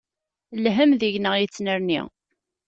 Lhem deg-neɣ yettnerni.